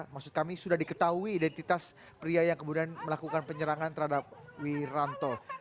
maksud kami sudah diketahui identitas pria yang kemudian melakukan penyerangan terhadap wiranto